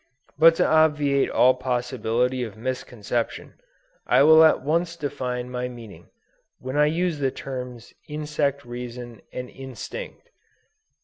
But to obviate all possibility of misconception, I will at once define my meaning, when I use the terms insect reason and instinct."